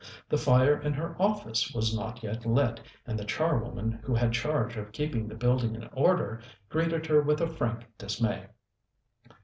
The fire in her office was not yet lit, and the charwoman who had charge of keeping the building in order greeted her with frank dismay.